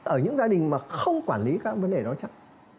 ở những gia đình mà không quản lý các vấn đề đó chắc